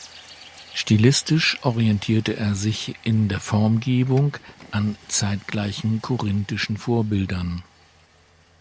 Stilistisch orientierte er sich in der Formgebung an zeitgleichen korinthischen Vorbildern.